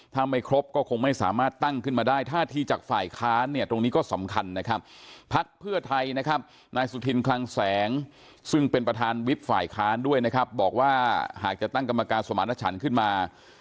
ถ้าเราไม่เชื่อใจเลยมันก็ทำอะไรไม่ได้หมดอ่ะ